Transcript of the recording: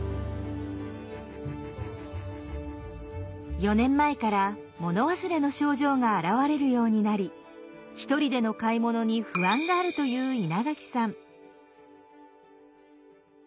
４年前から物忘れの症状が現れるようになり１人での買い物に不安があるという稲垣さん。